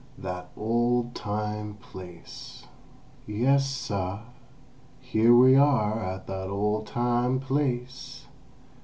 THAT OLD TIME PLACE "Yes, suh—here we are at that old time place!"